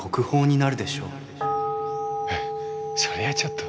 えっそれはちょっと。